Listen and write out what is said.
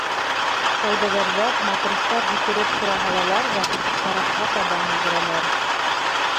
Сауҙагәрҙәр, матростар һикереп тора һалалар ҙа карапҡа табан йүгерәләр.